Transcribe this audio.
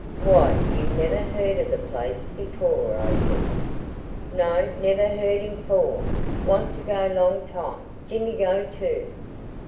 "Why, you never heard of the place before," I said. "No, never heard him fore; want to go long time. Jimmy go too."